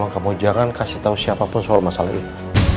tolong kamu jangan kasih tau siapapun soal masalah itu